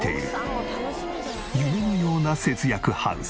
夢のような節約ハウス。